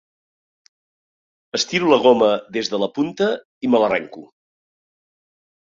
Estiro la goma des de la punta i me l'arrenco.